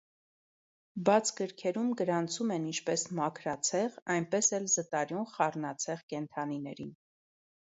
Բաց գրքերում գրանցում են ինչպես մաքրացեղ, այնպես էլ զտարյուն խառնացեղ կենդանիներին։